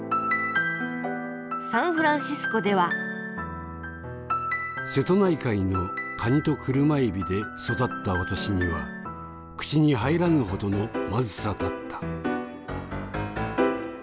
サンフランシスコでは「瀬戸内海の蟹と車エビで育った私には口に入らぬほどのまずさだった」。